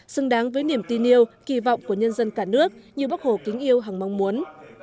xứng đáng với niềm tin yêu kỳ vọng của nhân dân cả nước như bắc hồ kính yêu hằng mong muốn